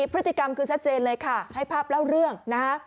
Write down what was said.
พฤติกรรมคือชัดเจนเลยค่ะให้ภาพเล่าเรื่องนะฮะ